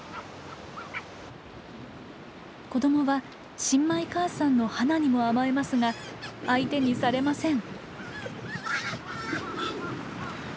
子どもは新米母さんのハナにも甘えますが相手にされません。